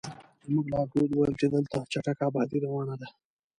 زموږ لارښود وویل چې دلته چټکه ابادي روانه ده.